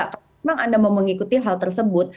memang anda mau mengikuti hal tersebut